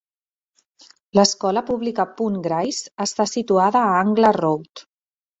L'Escola Pública Punt Grays està situada a Angle Road.